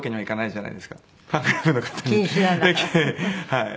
はい。